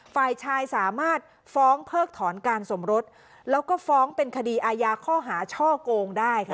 ฝ่ายชายสามารถฟ้องเพิกถอนการสมรสแล้วก็ฟ้องเป็นคดีอาญาข้อหาช่อโกงได้ค่ะ